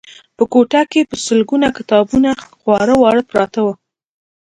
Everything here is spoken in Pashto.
په کوټه کې په سلګونه کتابونه خواره واره پراته وو